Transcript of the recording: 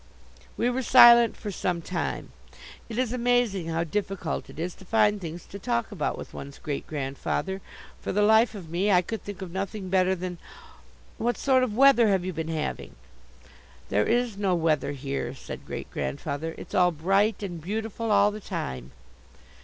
We were silent for some time. It is amazing how difficult it is to find things to talk about with one's great grandfather. For the life of me I could think of nothing better than: "What sort of weather have you been having?" "There is no weather here," said Great grandfather. "It's all bright and beautiful all the time."